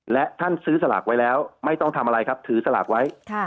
และท่านซื้อสลากไว้แล้วไม่ต้องทำอะไรครับถือสลากไว้